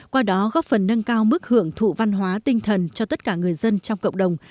qua đó góp phần nâng cao mức hưởng thụ văn hóa tinh thần cho tất cả người dân trong cộng đồng